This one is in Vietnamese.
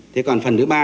thế còn phần thứ ba